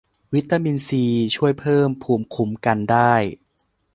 วิตามินซีช่วยเพิ่มภูมิคุ้มกันได้